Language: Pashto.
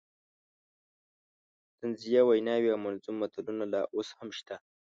طنزیه ویناوې او منظوم متلونه لا اوس هم شته.